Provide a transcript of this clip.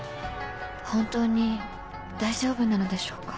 本当に大丈夫なのでしょうか